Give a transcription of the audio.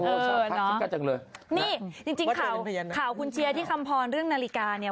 เออเนาะนี่จริงข่าวคุณเชียร์ที่คำพรณ์เรื่องนาฬิกาเนี่ย